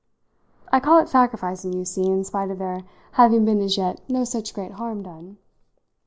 I call it sacrificing, you see, in spite of there having been as yet no such great harm done.